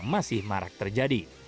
tapi masih marak terjadi